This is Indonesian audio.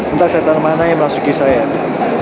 entah setan mana yang masuk kisahmu